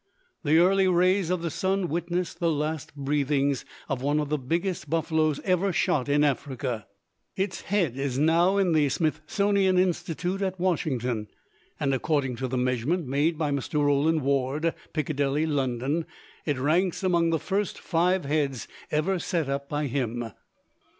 The early rays of the sun witnessed the last breathings of one of the biggest buffaloes ever shot in Africa. Its head is now in the Smithsonian Institute at Washington, and, according to the measurement made by Mr. Rowland Ward, Piccadilly, London, it ranks among the first five heads ever set up by him.